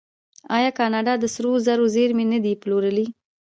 آیا کاناډا د سرو زرو زیرمې نه دي پلورلي؟